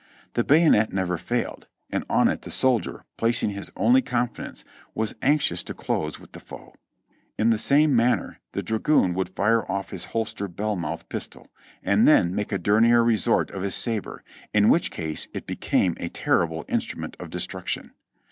The bayonet never failed, and on it the soldier, placing his only con fidence, was anxious to close with the foe. In the same manner the dragoon would fire off his holster bellmouth pistol, and then make a dernier resort of his sabre, in which case it became a terrible instrument of destruction.